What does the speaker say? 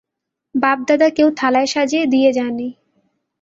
বাপ-দাদা কেউ থালায় সাজিয়ে দিয়ে যায়নি।